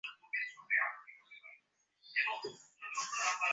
সারা দুনিয়ায় লম্বা-চওড়া কথার মাত্রা বড়ই বেশী।